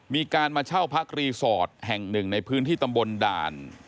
มีการมาเช่าพักรีสอร์ทแห่งหนึ่งในพื้นที่ตำบลด่าน